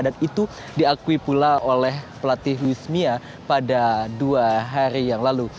dan itu diakui pula oleh pelatih wismia pada dua hari yang lalu